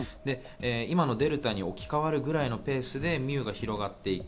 今のデルタに置き換わるくらいのペースでミューが広がっていく。